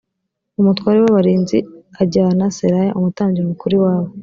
umutware w abarinzi ajyana seraya umutambyi mukuru iwabo.